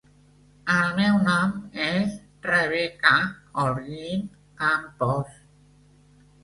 El meu nom és Rebeca Holguín Campos.